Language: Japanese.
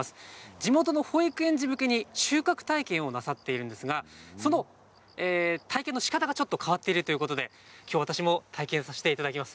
地元の保育園児向けに収穫体験をなさっているんですがその体験のしかたが、ちょっと変わっているということできょう、私も体験させていただきます。